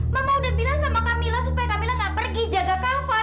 mama udah bilang sama kamilah supaya kamilah gak pergi jaga kamilah